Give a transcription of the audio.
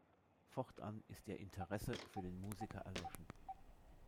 Fortan ist ihr Interesse für den Musiker erloschen.